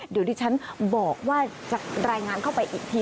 เดี๋ยวดิฉันบอกว่าจะรายงานเข้าไปอีกที